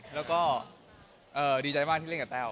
แล้วก็ดีใจมากที่เล่นกับแต้ว